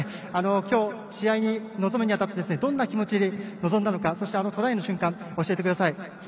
今日試合に臨むにあたりどんな気持ちで臨んだのかそしてトライの瞬間も教えてください。